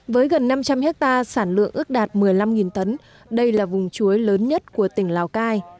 với gần năm trăm linh hectare sản lượng ước đạt một mươi năm tấn đây là vùng chuối lớn nhất của tỉnh lào cai